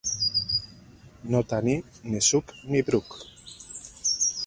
No tenir ni suc ni bruc.